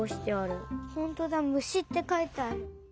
ほんとだ「むし」ってかいてある。